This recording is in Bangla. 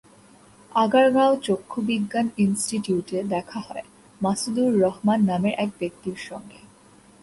আগারগাঁও চক্ষুবিজ্ঞান ইনস্টিটিউটে দেখা হয়, মাসুদুর রহমান নামের এক ব্যক্তির সঙ্গে।